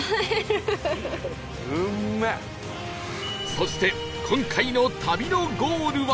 そして今回の旅のゴールは